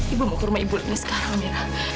ibu mau ke rumah ibu leni sekarang amira